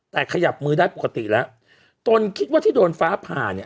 แต่ขยับมือได้ปกติแล้วตนคิดว่าที่โดนฟ้าผ่าเนี่ย